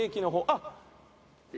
あっ！